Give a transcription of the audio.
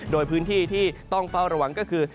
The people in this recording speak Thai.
โดยพื้นที่ที่ต้องเฝ้าระวังก็คือ